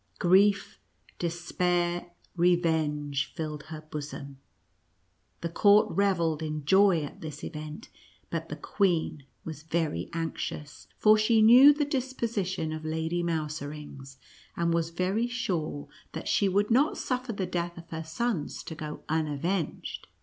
Grief, despair, revenge filled her bosom. The court revelled in joy at this event, but the queen was very anxious, for she knew the disposition of Lady Mouserings, and was very sure that she would not suffer the death of her sons to go unavenged.